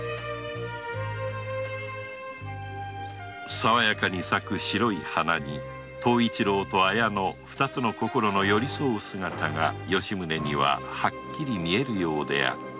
さわやかに咲く白い花に東一郎と綾乃の二つの心の寄り添う姿が吉宗にははっきりと見えるようであった